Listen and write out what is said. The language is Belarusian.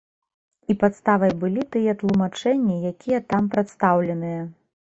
І падставай былі тыя тлумачэнні, якія там прадстаўленыя.